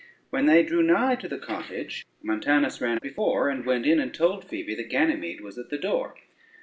When they drew nigh to the cottage, Montanus ran before, and went in and told Phoebe that Ganymede was at the door.